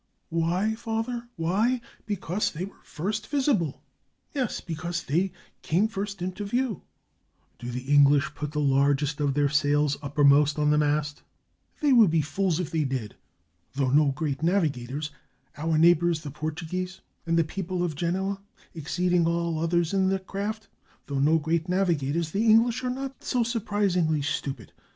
"Why, father — why — because they were first visible. Yes, because they came first into view." "Do the English put the largest of their sails upper most on the mast?" "They would be fools if they did. Though no great navigators — our neighbors the Portuguese, and the people of Genoa, exceeding all others in that craft — though no great navigators, the English are not so sur passingly stupid.